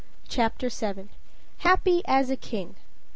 CHAPTER VII "Happy as a king."